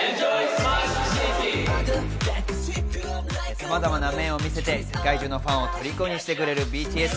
さまざまな面を見せて世界中のファンを虜にしてくれるＢＴＳ。